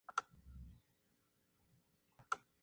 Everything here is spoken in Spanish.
Este más tarde fue reemplazado por un motor de gas.